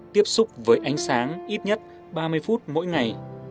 tiếp xúc với ánh sáng ít nhất ba mươi phút mỗi ngày